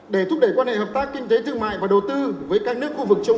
để thúc đẩy quan hệ hợp tác kinh tế thương mại và đầu tư với các nước khu vực trung